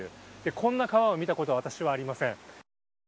こんな川を見たことは私はありません。